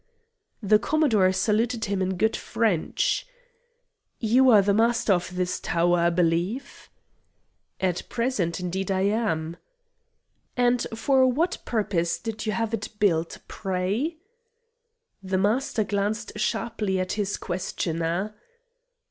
The Commodore saluted him in good French: "You are the Master of this tower, I believe?" "At present, indeed, I am." "And for what purpose did you have it built, pray?" The Master glanced sharply at his questioner.